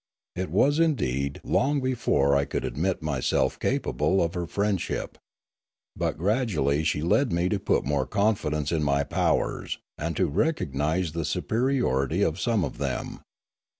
It was indeed long before I could admit myself capable of her friend ship. But gradually she led me to put more confidence in my powers, and to recognise the superiority of some of them.